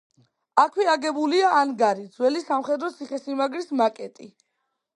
აქვე აგებულია ანგარი, ძველი სამხედრო ციხესიმაგრის მაკეტი.